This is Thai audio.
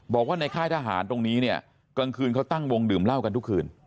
บอกว่าในค่ายทหารตรงนี้เนี่ยกลางคืนเขาตั้งวงดื่มเหล้ากันทุกคืน